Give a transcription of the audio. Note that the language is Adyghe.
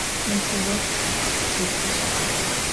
Nêpe vos khêsışt.